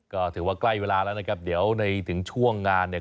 ก็ถือว่าใกล้เวลาแล้วนะครับเดี๋ยวในถึงช่วงงานเนี่ย